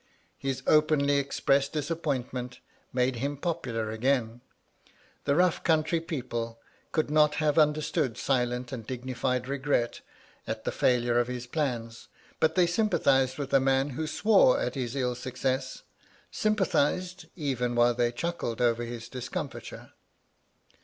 His openly expressed disappointment made him popular again. The rough country people could not have understood silent and dignified regret at the failure of his plans ; hut they sympathised with a man who swore at his ill success — sympathised, even while they chuckled over his discomfiture.